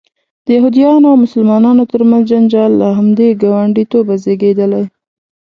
د یهودانو او مسلمانانو ترمنځ جنجال له همدې ګاونډیتوبه زیږېدلی.